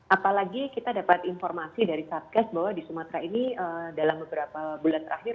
apalagi kita dapat informasi dari satgas bahwa di sumatera ini dalam beberapa bulan terakhir